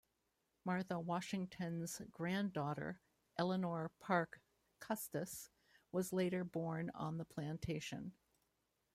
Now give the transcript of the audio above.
Martha Washington's granddaughter Eleanor Parke Custis was later born on the plantation.